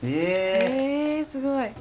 えすごい！